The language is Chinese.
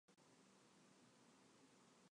福建乡试第四十八名。